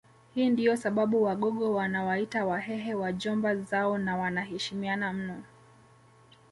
Hii ndiyo sababu Wagogo wanawaita Wahehe Wajomba zao na wanaheshimiana mno